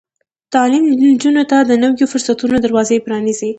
تعلیم نجونو ته د نويو فرصتونو دروازې پرانیزي.